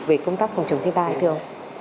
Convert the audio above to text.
về công tác phòng chống thiên tai thưa ông